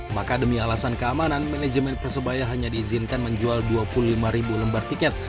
maka demi alasan keamanan manajemen persebaya hanya diizinkan menjual dua puluh lima ribu lembar tiket